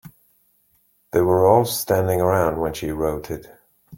They were all standing around when she wrote it.